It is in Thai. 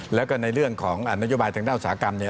แล้วก็ในเรื่องของนโยบายทางด้านอุตสาหกรรมเนี่ย